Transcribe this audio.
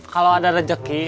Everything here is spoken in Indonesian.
kalau ada rejeki